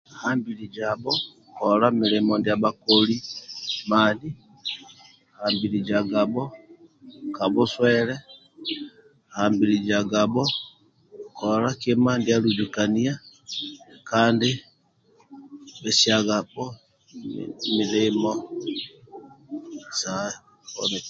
Hambilijabho kola milimo ndia bhakoli mani hambilizagabho ka bhuswele hambilizagabho kola kima ndia aluzukania kandi pesiagabho milimo sa a